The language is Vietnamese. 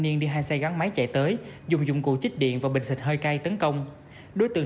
niên đi hai xe gắn máy chạy tới dùng dụng cụ chích điện và bình sạch thơi cây tấn công đối tượng